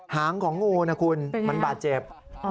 หางของงูนะคุณมันบาดเจ็บ